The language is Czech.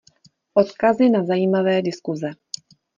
Odkazy na zajímavé diskuze.